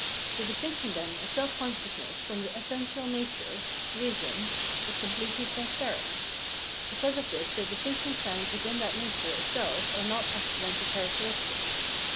The distinction, then, of self consciousness from the essential nature (Wese^i) is completely transparent. Because of this the distinctions found within that nature itself are not accidental characteristics.